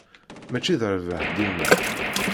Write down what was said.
Mačči d rrbeḥ dima.